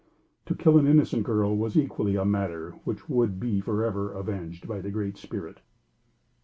To kill an innocent girl was equally a matter which would be forever avenged by the Great Spirit.